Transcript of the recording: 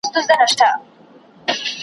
زوړ زمری وو نور له ښکار څخه لوېدلی .